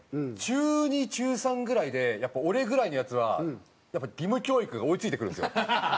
中２中３ぐらいでやっぱ俺ぐらいのヤツは義務教育が追い付いてくるんですよ。